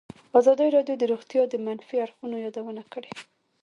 ازادي راډیو د روغتیا د منفي اړخونو یادونه کړې.